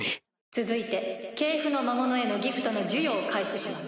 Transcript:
続いて系譜の魔物へのギフトの授与を開始します。